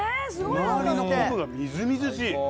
周りの昆布がみずみずしい。